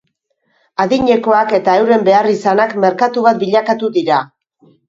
Adinekoak eta euren beharrizanak merkatu bat bilakatu dira.